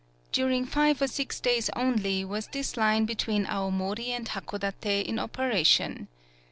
During five or six days only was this line between Awomori and Hakodate in operation.